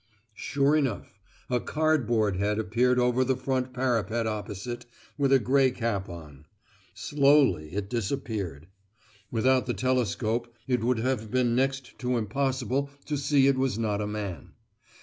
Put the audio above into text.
Sure enough, a cardboard head appeared over the front parapet opposite, with a grey cap on. Slowly it disappeared. Without the telescope it would have been next to impossible to see it was not a man.